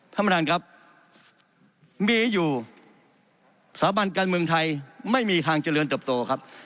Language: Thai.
ท่านประธานครับมีอยู่สถาบันการเมืองไทยไม่มีทางเจริญเติบโตครับ